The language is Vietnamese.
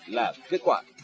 là kết quả